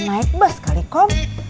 naik bus kali kom